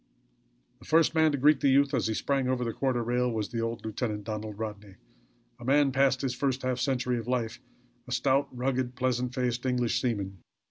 The first man to greet the youth as he sprang over the quarter rail, was the old lieutenant, Donald Rodney, a man past his first half century of life; a stout, rugged, pleasant faced English seaman.